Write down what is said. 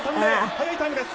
速いタイムです」